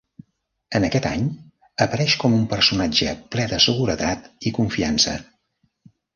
En aquest any, apareix com un personatge ple de seguretat i confiança.